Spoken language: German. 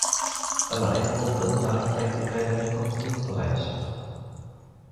Aber eine Gruppe im Rat zeigte keinerlei Kompromissbereitschaft.